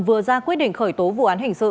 vừa ra quyết định khởi tố vụ án hình sự